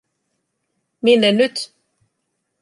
Minne nyt?